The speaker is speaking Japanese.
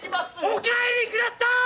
お帰りください！